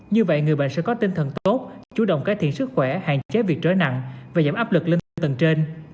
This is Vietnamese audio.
như vậy người bệnh sẽ có tinh thần tốt chủ động cải thiện sức khỏe hạn chế việc trở nặng và giảm áp lực lên tư tầng trên